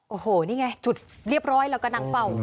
โอ้โหนี่ไงจุดเรียบร้อยแล้วก็นั่งเฝ้า